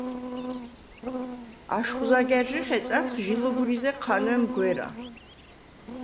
აშხვ ზაგა̈რჟი ხეწადხ ჟი ლუგვრიზე ჴანვემ გვერა.